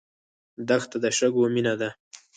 دښته د شګو مینه ده.